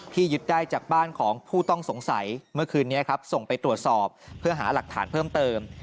ยึดได้จากบ้านของผู้ต้องสงสัยเมื่อคืนนี้ครับส่งไปตรวจสอบเพื่อหาหลักฐานเพิ่มเติม